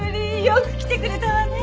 よく来てくれたわね。